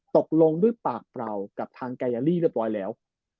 ตกลงด้วยปากเปล่ากับทางไกยาลีเรียบร้อยแล้ว